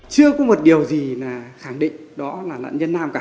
chưa có một điều gì là khẳng định đó là nạn nhân nam cả